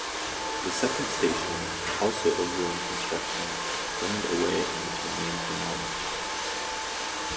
The second station, also of wooden construction, burned away and its remains demolished.